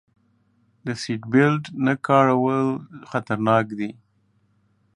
د سیټ بیلټ نه کارول خطرناک دي.